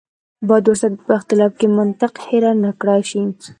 باید ورسره په اختلاف کې منطق هېر نه کړای شي.